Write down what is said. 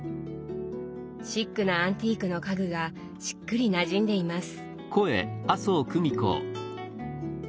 シックなアンティークの家具がしっくりなじんでいます。